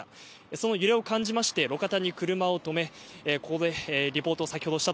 その揺れを感じまして路肩に車を止めここでリポート、先ほどした